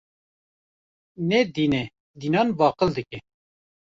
Ne dîn e, dînan baqil dike.